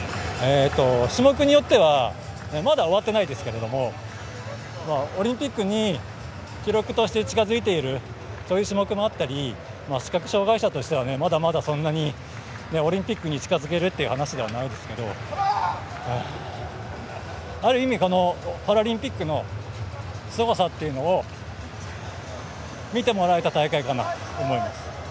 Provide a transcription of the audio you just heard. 種目によってはまだ終わってないですけれどもオリンピックに記録として近づいているそういう種目もあったり視覚障がい者としてはまだまだ、そんなにオリンピックに近づけるという話ではないですけどある意味パラリンピックのすごさというのを見てもらえた大会かなと思います。